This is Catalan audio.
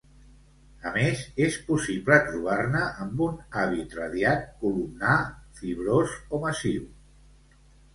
A més, és possible trobar-ne amb un hàbit radiat, columnar, fibrós o massiu.